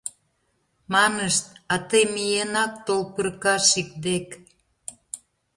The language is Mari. — Манышт, а тый миенак тол пыркашик дек...